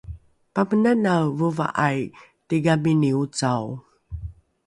pamenanae vova’ai tigamini ocao